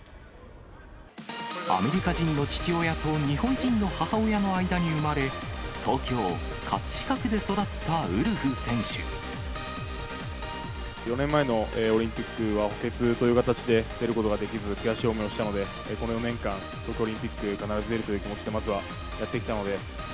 アメリカ人の父親と日本人の母親の間に産まれ、４年前のオリンピックは補欠という形で、出ることができず、悔しい思いしたので、この４年間、東京オリンピック、必ず出るという気持ちで、まずはやってきたので。